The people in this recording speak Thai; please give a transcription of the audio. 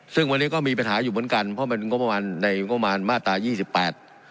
ซึ่งวันนี้ก็มีปัญหาอยู่เหมือนกันเพราะมันงบประมาณในงบประมาณมาตรายี่สิบแปด